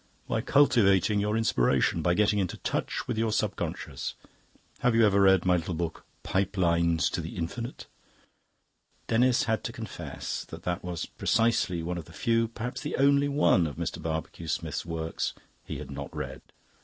"By cultivating your Inspiration, by getting into touch with your Subconscious. Have you ever read my little book, 'Pipe Lines to the Infinite'?" Denis had to confess that that was, precisely, one of the few, perhaps the only one, of Mr. Barbecue Smith's works he had not read.